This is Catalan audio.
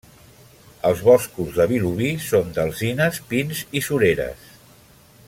Els boscos de Vilobí són d'alzines, pins i sureres.